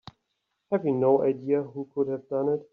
Have you no idea who could have done it?